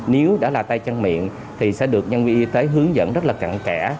nếu đã là tay chân miệng thì sẽ được nhân viên y tế hướng dẫn rất là cận kẽ